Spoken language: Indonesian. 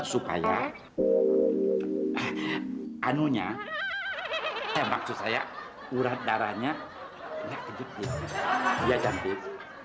supaya anunya maksud saya urat darahnya gak kejut dia dia cantik